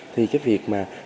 thì cái việc mà